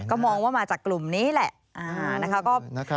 ก็มองว่ามาจากกลุ่มนี้แหละ